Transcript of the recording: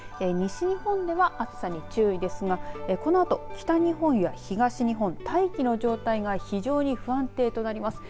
西日本では、暑さに注意ですがこのあと、北日本や東日本大気の状態が非常に不安定となります。